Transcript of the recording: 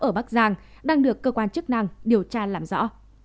ở bắc giang đang được cơ quan chức năng điều tra làm rõ